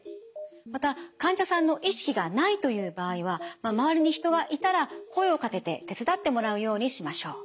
また患者さんの意識がないという場合は周りに人がいたら声をかけて手伝ってもらうようにしましょう。